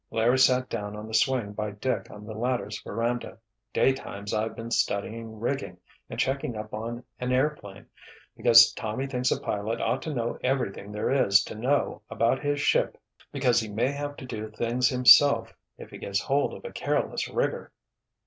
Larry sat down on the swing by Dick on the latter's veranda. "Daytimes I've been studying rigging and checking up on an airplane, because Tommy thinks a pilot ought to know everything there is to know about his ship because he may have to do things himself if he gets hold of a careless rigger."